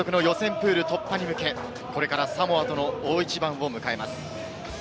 プール突破に向け、これからサモアとの大一番を迎えます。